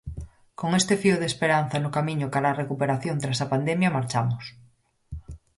Con este fío de esperanza no camiño cara á recuperación tras a pandemia marchamos.